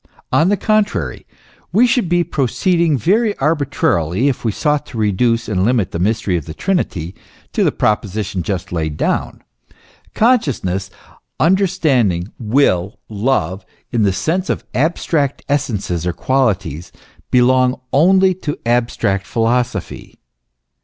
On the contrary, we should be proceeding very arbitrarily if we sought to reduce and limit the mystery of the Trinity to the proposi tion just laid down. Consciousness, understanding, will, love, in the sense of abstract essences or qualities, belong only to abstract philosophy.